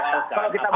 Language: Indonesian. kalau kita buka data